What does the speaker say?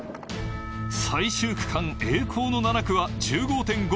最終区間栄光の７区は１５．５ｋｍ。